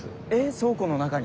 倉庫の中に？